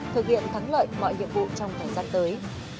thực hiện thắng lợi mọi nhiệm vụ trong thời gian tới